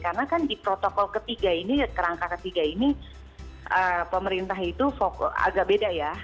karena kan di protokol ketiga ini kerangka ketiga ini pemerintah itu agak beda ya